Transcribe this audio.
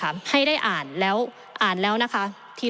ท่านประธานที่เคารพถ้าผลเอกประยุทธ์ยังไม่ได้อ่านหนังสืออัยการสูงสุดฉบับนี้